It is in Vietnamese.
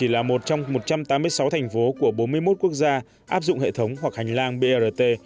là một trong một trăm tám mươi sáu thành phố của bốn mươi một quốc gia áp dụng hệ thống hoặc hành lang brt